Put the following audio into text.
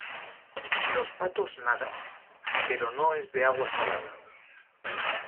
los patos nadan. pero no es de agua salada